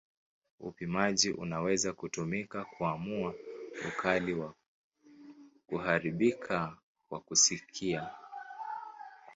Upimaji unaweza kutumika kuamua ukali wa kuharibika kwa kusikia.